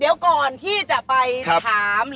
เดี๋ยวก่อนที่จะไปถาม